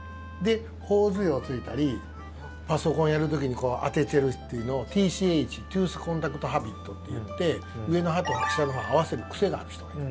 頬杖をついたりパソコンをやる時に当ててるというのをＴＣＨ＝トゥース・コンタクティング・ハビットといって上の歯と舌の歯を合わせる癖がある人がいる。